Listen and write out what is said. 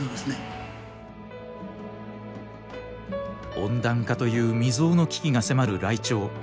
温暖化という未曽有の危機が迫るライチョウ。